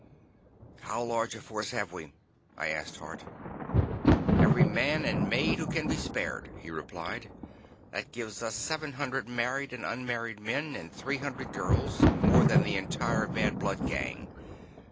"How large a force have we?" I asked Hart. "Every man and maid who can be spared," he replied. "That gives us seven hundred married and unmarried men, and three hundred girls, more than the entire Bad Blood Gang.